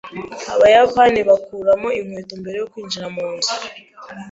Abayapani bakuramo inkweto mbere yo kwinjira munzu.